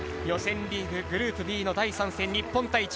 予選リーグ、グループＢの第３戦日本対